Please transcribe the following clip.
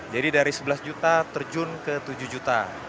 jadi dari sebelas juta terjun ke tujuh juta